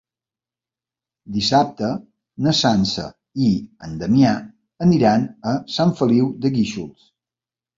Dissabte na Sança i en Damià aniran a Sant Feliu de Guíxols.